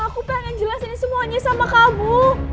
aku pengen jelasin semuanya sama kamu